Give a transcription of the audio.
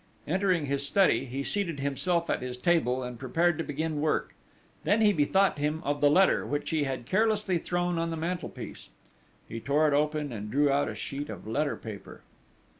Entering his study, he seated himself at his table and prepared to begin work. Then he bethought him of the letter, which he had carelessly thrown on the mantelpiece. He tore it open, and drew out a sheet of letter paper.